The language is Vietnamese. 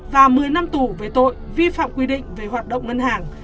và một mươi năm tù về tội vi phạm quy định về hoạt động ngân hàng